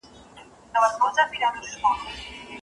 املا د شخصیت په وده کي رول لري.